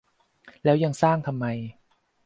แล้วยังสร้างทำไม